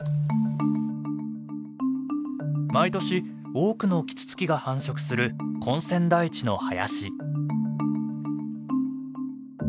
毎年多くのキツツキが繁殖する根釧台地の林。